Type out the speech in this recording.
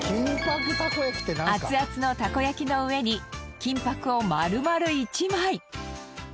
熱々のたこ焼きの上に金箔を丸々１枚。